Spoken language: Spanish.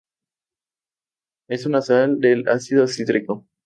Es una sal del ácido cítrico.